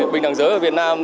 bình đẳng giới ở việt nam